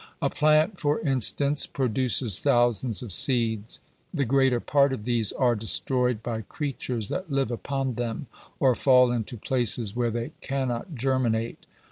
A plant, for instance,! produces thousands of seeds. The greater part of these are destroyed by creatures that live upon them, or fall into places where they cannot germinate.